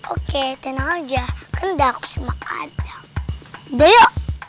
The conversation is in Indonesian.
oke tenang aja kena aku semangat daya